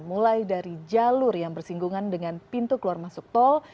mulai dari jalur yang bersinggungan dengan pintu keluar masuk tol